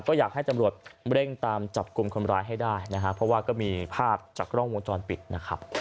ก็อยากให้ตำรวจเร่งตามจับกลุ่มคนร้ายให้ได้นะฮะเพราะว่าก็มีภาพจากกล้องวงจรปิดนะครับ